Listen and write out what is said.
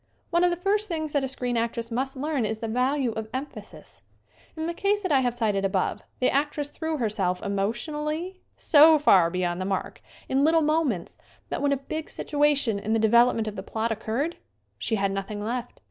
One of the first things that a screen actress must learn is the value of emphasis. In the case that I have cited above the actress threw herself emotionally (?) so far beyond the mark in little moments that when a big situa tion in the development of the plot occurred she had nothing left.